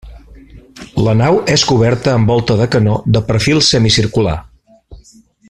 La nau és coberta amb volta de canó de perfil semicircular.